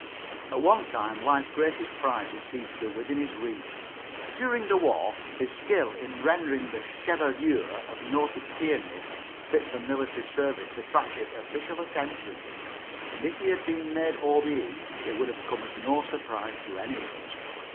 At one time life's greatest prizes seemed to be within his reach. During the war his skill in rendering the chevelure of noted pianists fit for military service attracted official attention, and if he had been made O.B.E. it would have come as no surprise to any of us.